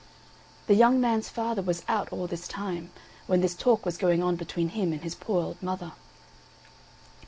The young man's father was out all this time, when this talk was going on between him and his poor old mother.